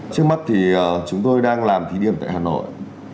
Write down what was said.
trước mắt thì chúng tôi đang làm thí điểm tại hà nội